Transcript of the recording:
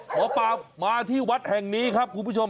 หมอปลามาที่วัดแห่งนี้ครับคุณผู้ชม